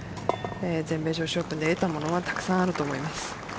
全米女子オープンで得たものはたくさんあると思います。